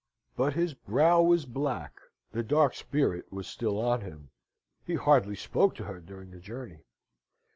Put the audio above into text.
But his brow was black the dark spirit was still on him. He hardly spoke to her during the journey.